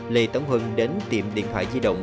lê tấn huân đến tiệm điện thoại di động